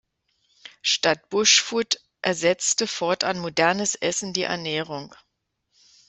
Statt „Bush Food“ "ersetzte" fortan modernes Essen die Ernährung.